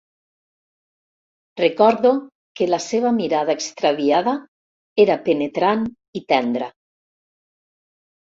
Recordo que la seva mirada extraviada era penetrant i tendra.